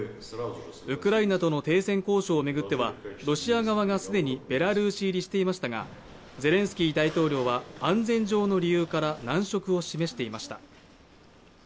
ウクライナとの停戦交渉を巡ってはロシア側が既にベラルーシ入りしていましたが、ゼレンスキー大統領は安全上の理由から難色を示していました。